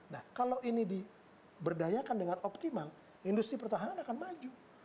nah kalau ini diberdayakan dengan optimal industri pertahanan akan maju